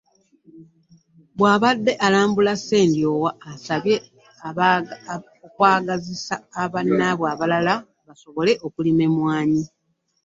Bw’abadde alambula Ssendyowa abasabye okwagazisa bannaabwe abalala basobole okulima emmwaanyi.